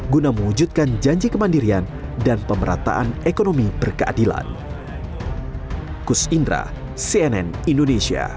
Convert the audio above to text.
guna mewujudkan janji kemandirian dan pemerataan ekonomi berkeadilan